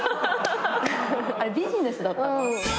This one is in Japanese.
あれビジネスだったの？